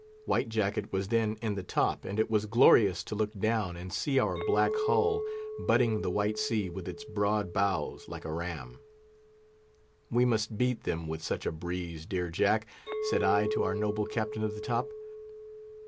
White Jacket was then in the top; and it was glorious to look down and see our black hull butting the white sea with its broad bows like a ram. "We must beat them with such a breeze, dear Jack," said I to our noble Captain of the Top.